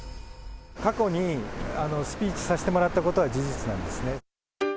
過去にスピーチさせてもらったことは事実なんですね。